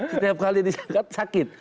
setiap kali ditangkap sakit